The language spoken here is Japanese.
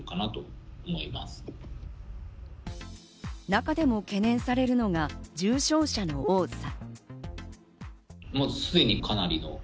中でも懸念されるのが重症者の多さ。